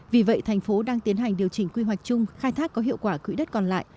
vì vậy thành phố đang tiến hành điều chỉnh quy hoạch chung khai thác có hiệu quả quỹ đất còn lại